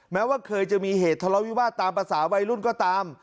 แม้ว่าเคยจะมีเหตุทะเลาวิวาสตามภาษาวัยรุ่นก็ตาม